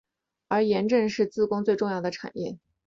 而盐正是自贡最重要的产业。